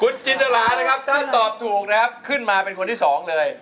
คุณจินตรานะครับถ้าตอบถูกนะครับขึ้นมาเป็นคนที่สองเลย